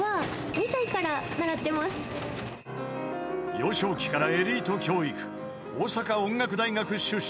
［幼少期からエリート教育大阪音楽大学出身］